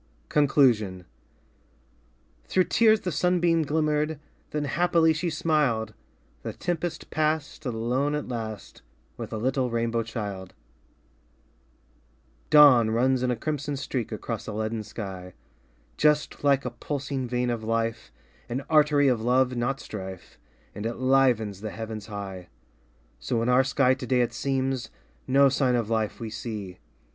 Conclusion Through tears the sunbeam glimmered Then happily she smiled The tempest passed Alone at last With a little rainbow child. DAY DREAMS Dawn runs in a crimson streak Across a leaden sky — Just like a pulsing vein of life An artery of love not strife And it livens the heavens high. So in our sky today it seems, No sign of life we see.